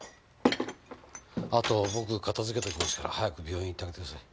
後は僕片付けときますから早く病院行ってあげてください。